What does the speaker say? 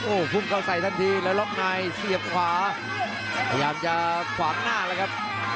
โอ้โหพุ่งเข้าใส่ทันทีแล้วล็อกในเสียบขวาพยายามจะขวางหน้าแล้วครับ